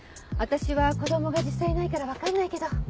私は子供が実際いないから分かんないけど。